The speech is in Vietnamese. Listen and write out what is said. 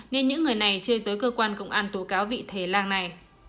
nên những người này chưa tới cơ quan công an tố cáo vị thế làng này